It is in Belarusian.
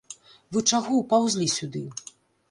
Вы чаго ўпаўзлі сюды?